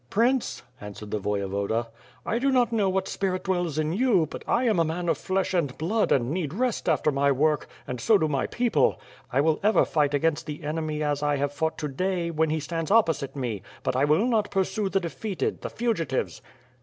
"Prince," answered the Voyevoda, "I do not know what spirit dwells in you, but I am a man of flesh and blood and need rest after my work, and so do my people. I will ever fight against the enemy as I have fought to day. When he stends opposite me; but I will not pursue the defeated, the fugitives."